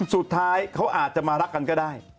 สุดท้ายเขาอาจจะมารักกันก็ได้